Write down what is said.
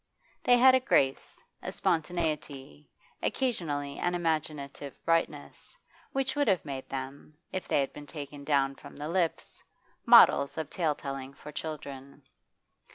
They had a grace, a spontaneity, occasionally an imaginative brightness, which would have made them, if they had been taken down from the lips, models of tale telling for children.